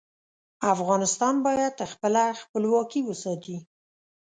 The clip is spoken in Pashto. افغانستان باید خپله خپلواکي وساتي.